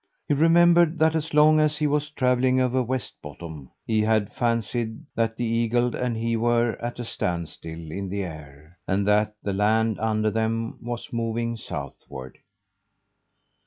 He remembered that as long as he was travelling over Westbottom he had fancied that the eagle and he were at a standstill in the air, and that the land under them was moving southward.